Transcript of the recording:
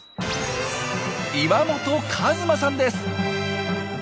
岩本和真さんです。